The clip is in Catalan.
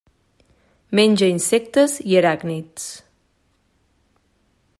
Menja insectes i aràcnids.